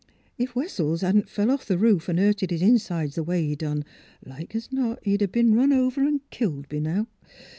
If Wessels hadn't fell off the roof an' hurted 'is insides the way he done, like es not he'd a been run over an' killed b' now.